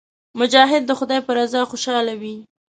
مجاهد د خدای په رضا خوشاله وي.